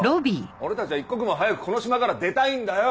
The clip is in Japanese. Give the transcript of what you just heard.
俺たちは一刻も早くこの島から出たいんだよ！